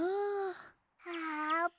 あーぷん。